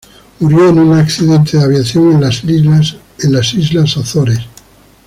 Murió en un accidente de aviación en las islas Azores.